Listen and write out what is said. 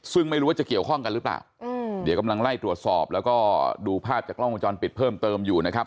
ซึ่งไม่รู้ว่าจะเกี่ยวข้องกันหรือเปล่าเดี๋ยวกำลังไล่ตรวจสอบแล้วก็ดูภาพจากกล้องวงจรปิดเพิ่มเติมอยู่นะครับ